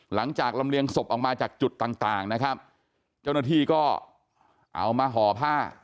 ลำเลียงศพออกมาจากจุดต่างต่างนะครับเจ้าหน้าที่ก็เอามาห่อผ้า